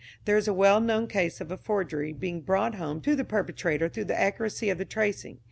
There is a well known case of a forgery being brought home to the perpetrator through the accuracy of the tracing.